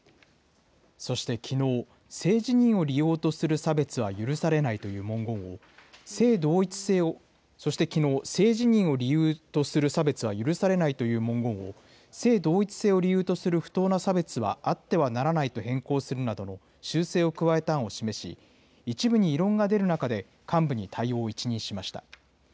そしてきのう、性自認をとする差別は許されないという文言を、性同一性を、そしてきのう、理由とする差別は許されないという文言を、性同一性を理由とする不当な差別はあってはならないと変更するなどの修正を加えた案を示し、一部に異論が出る中で、幹部に対応を一任しました。